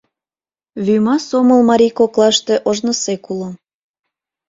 Вӱма сомыл марий коклаште ожнысек уло.